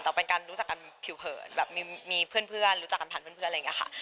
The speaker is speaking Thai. แต่เป็นการรู้จักกันผิวเผินแบบมีเพื่อนรู้จักกันผ่านเพื่อนอะไรอย่างนี้ค่ะ